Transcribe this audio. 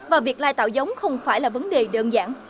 và việc lai tạo giống không phải là vấn đề đơn giản